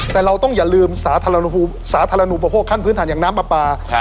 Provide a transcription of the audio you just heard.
แต่เราต้องอย่าลืมสาธารณูปโภคขั้นพื้นฐานอย่างน้ำปลาปลา